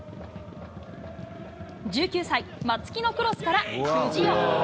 １９歳、松木のクロスから藤尾。